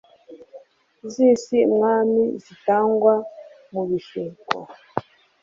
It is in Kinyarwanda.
z'isi, mwami, zitagwa mu bishuko